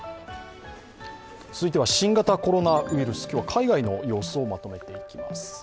続いては新型コロナウイルス、今日は海外の様子をまとめていきます。